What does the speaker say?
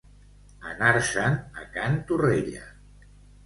Anar-se'n a can Torrella.